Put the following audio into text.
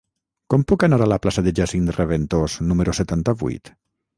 Com puc anar a la plaça de Jacint Reventós número setanta-vuit?